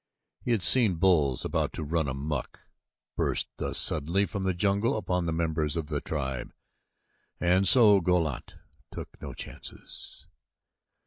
He had seen bulls about to run amuck burst thus suddenly from the jungle upon the members of the tribe, and so Go lat took no chances.